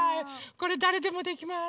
これだれでもできます。